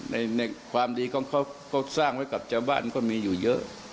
ในความดีของเขาก็สร้างไว้กับชาวบ้านก็มีอยู่เยอะ